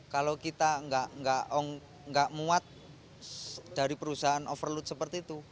kalau kita nggak muat dari perusahaan overload seperti itu